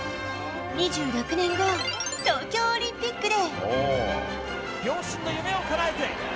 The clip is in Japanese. ２６年後、東京オリンピックで。